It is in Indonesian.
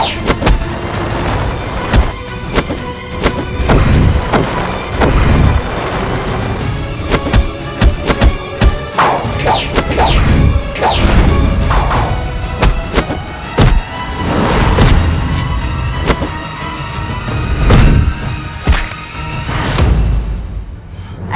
sampai jumpa di video seterusnya